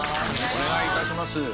お願いいたします。